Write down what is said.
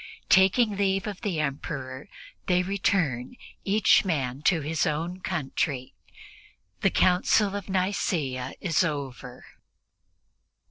Taking leave of the Emperor, they return, each man to his own country. The Council of Nicea is over.